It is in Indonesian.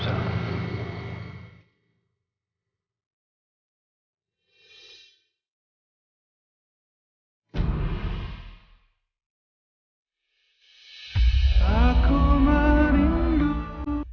assalamualaikum warahmatullahi wabarakatuh